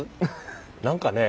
何かね